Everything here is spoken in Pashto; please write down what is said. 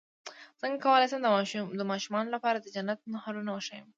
څنګه کولی شم د ماشومانو لپاره د جنت نهرونه وښایم